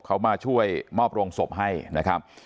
เขามาช่วยมอบโรงศพให้นะครับ